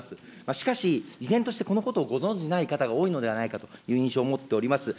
しかし、依然としてこのことをご存じない方が多いのではないかという印象を持っております。